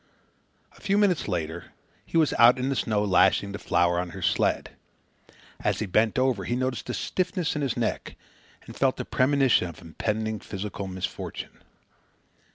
A few minutes later, he was out in the snow lashing the flour on her sled. As he bent over he noticed a stiffness in his neck and felt a premonition of impending physical misfortune.